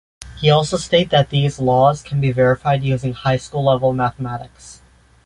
He also states that these laws can be verified using high-school level mathematics.